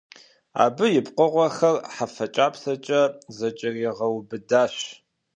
Абы и пкъыгъуэхэр хьэфэ кIапсэкIэ зэкIэрегъэубыдащ.